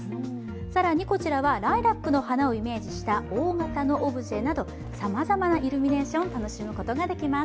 更にこちらはライラックの花をイメージした大型のオブジェなど、さまざまなイルミネーションを楽しむことができます。